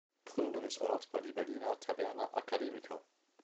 Gründungsort war die Berliner "Taberna academica".